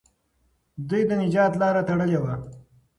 دوی د نجات لاره تړلې وه.